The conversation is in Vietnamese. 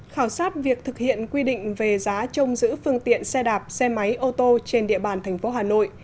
khảo sát việc thực hiện quy định về giá trông giữ phương tiện xe đạp xe máy ô tô trên địa bàn thành phố hà nội